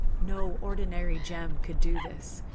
No ordinary gem could do this.